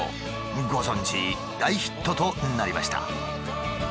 ご存じ大ヒットとなりました。